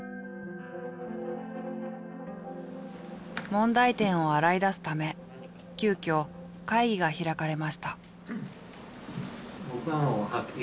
問題点を洗い出すため急きょ会議が開かれました。